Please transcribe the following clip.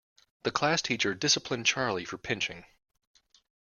The classteacher disciplined Charlie for pinching.